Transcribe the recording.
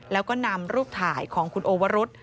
แล้วก็นำรูปถ่ายของคุณโอวรุษ